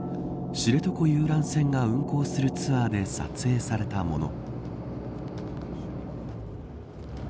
知床遊覧船が運航するツアーで撮影されたもの。